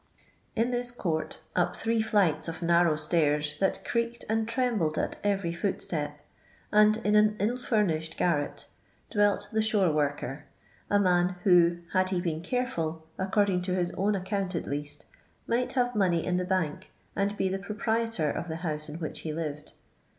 In this court, up three flights of narrow stairs that creaked and trembled at every footstep, and in an ill furnished garret, dwelt the shore worker — a man. who, had he been careful, according to his own account at least, might have money in the bank avd he the proprietor of the house in which he lived.